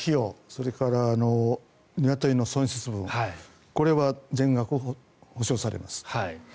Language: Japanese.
それからニワトリの損失分これは全額補償されます。